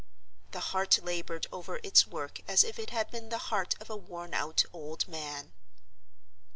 The heart labored over its work as if it had been the heart of a worn out old man.